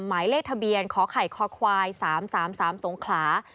หมายเลขทะเบียนขอไข่คควาย๓๓สงขลา